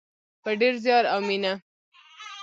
په ډیر زیار او مینه.